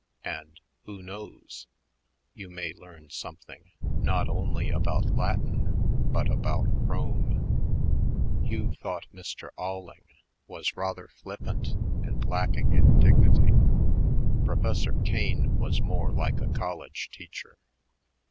And, who knows? you may learn something not only about Latin but about Rome." Hugh thought Mr. Alling was rather flippant and lacking in dignity. Professor Kane was more like a college teacher.